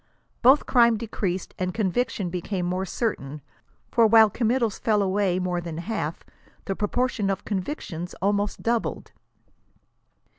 Both crime decreased and conviction became more certain ; for while committals fell away more than half, the proportion of convictions almost doubled.